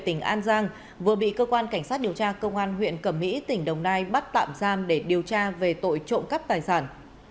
tỉnh an giang vừa bị cơ quan cảnh sát điều tra công an huyện cẩm mỹ tỉnh đồng nai bắt tạm giam để điều tra về tội trộm cắp tài sản